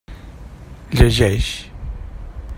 Llegeix.